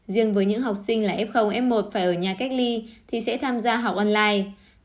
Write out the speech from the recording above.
riêng với những học sinh là f f một phải ở nhà cách ly thì sẽ tham gia học online